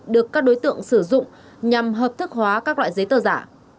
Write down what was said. được các đối tượng sử dụng nhằm hợp thức hóa các loại giấy tờ giả